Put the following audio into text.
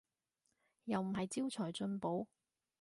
又唔係招財進寶